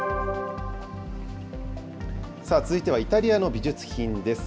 続いてはイタリアの美術品です。